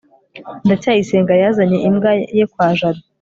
ndacyayisenga yazanye imbwa ye kwa jabo